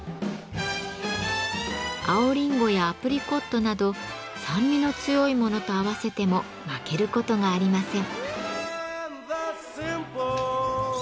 青りんごやアプリコットなど酸味の強いものと合わせても負けることがありません。